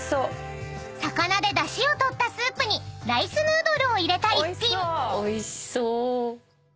［魚でだしを取ったスープにライスヌードルを入れた一品］